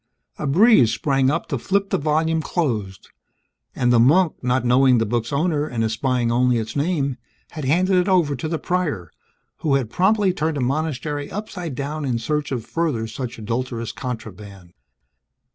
A breeze sprang up to flip the volume closed; and the monk, not knowing the book's owner and espying only its name, had handed it over to the Prior who had promptly turned the monastery upside down in search of further such adulterous contraband!